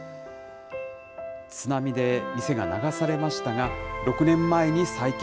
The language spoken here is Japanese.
津波で店が流されましたが、６年前に再建。